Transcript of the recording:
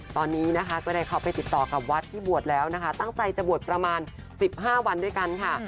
ตอนนี้นะคะก็ได้เข้าไปติดต่อกับวัดที่บวชแล้วนะคะตั้งใจจะบวชประมาณ๑๕วันด้วยกันค่ะ